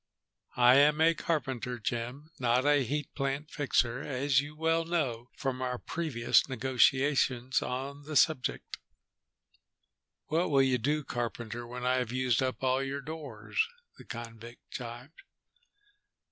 "I am a carpenter, Jim, not a heat plant fixer, as you well know from our previous negotiations on the subject." "What will you do, carpenter, when I have used up all your doors?" the convict jibed.